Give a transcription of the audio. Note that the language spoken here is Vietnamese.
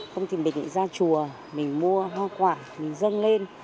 không thì mình lại ra chùa mình mua hoa quả mình dâng lên